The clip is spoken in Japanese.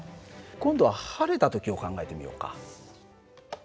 今度は晴れた時を考えてみようか。